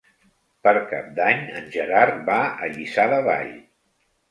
Per Cap d'Any en Gerard va a Lliçà de Vall.